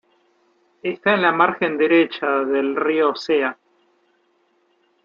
Está en la margen derecha del río Cea.